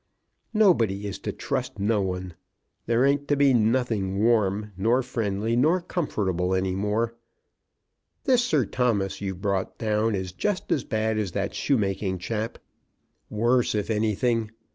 Nobody is to trust no one. There ain't to be nothing warm, nor friendly, nor comfortable any more. This Sir Thomas you've brought down is just as bad as that shoemaking chap; worse if anything.